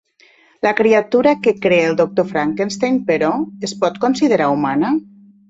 La criatura que crea el doctor Frankenstein, però, es pot considerar humana?